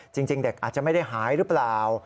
จริงเด็กอาจจะไม่ได้หายหรือเปล่า